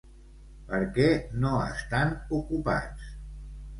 Per què no estan ocupats?